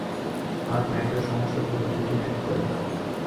আর প্যান্টের সমস্যাগুলো দ্রুত ঠিক করে ফেলো।